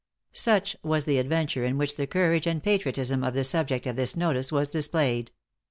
Such was the adventure in which the courage and patriotism of the subject of this notice was displayed.